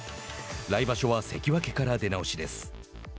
来場所は関脇から出直しです。